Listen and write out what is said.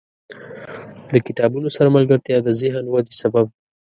• د کتابونو سره ملګرتیا، د ذهن ودې سبب دی.